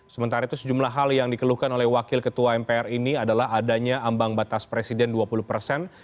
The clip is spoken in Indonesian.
sementara itu sejumlah hal yang dikeluhkan oleh wakil ketua mpr ini adalah adanya ambang batas presiden dua puluh persen